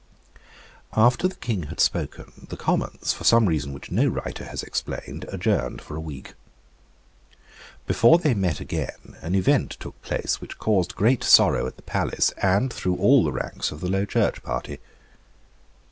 After the King had spoken, the Commons, for some reason which no writer has explained, adjourned for a week. Before they met again, an event took place which caused great sorrow at the palace, and through all the ranks of the Low Church party.